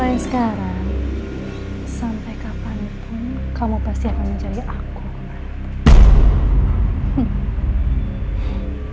ini pasti ulah erin